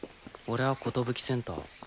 俺はことぶきセンター。